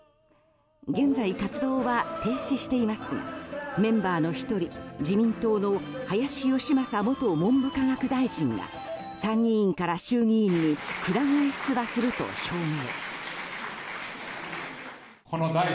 現在、活動は停止していますがメンバーの１人自民党の林芳正元文部科学大臣が参議院から衆議院にくら替え出馬すると表明。